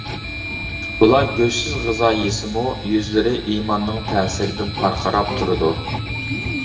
ئۇلار گۆشسىز غىزا يېسىمۇ يۈزلىرى ئىماننىڭ تەسىرىدىن پارقىراپ تۇرىدۇ.